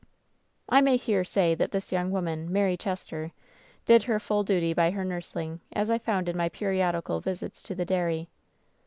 "I may here say that this young woman, Mary Ches ter, did her full duty by her nurseling, as I found in my periodical visits to the dairy.